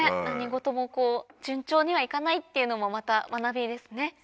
何事も順調には行かないっていうのもまた学びですね。